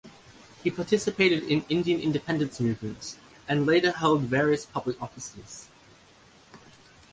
He participated in Indian independence movement and later hold various public offices.